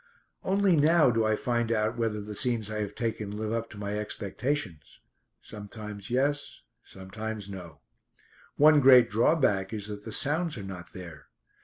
Only now do I find out whether the scenes I have taken live up to my expectations. Sometimes yes sometimes no. One great drawback is that the sounds are not there!